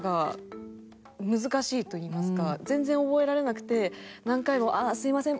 全然覚えられなくて何回も「あっすいません！